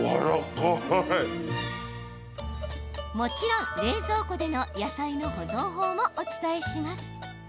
もちろん冷蔵庫での野菜の保存法もお伝えします。